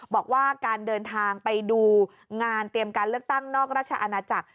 บอกว่าการเดินทางไปดูงานเตรียมการเลือกตั้งนอกราชอาณาจักร